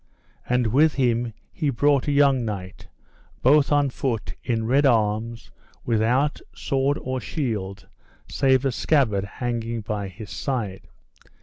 And with him he brought a young knight, both on foot, in red arms, without sword or shield, save a scabbard hanging by his side.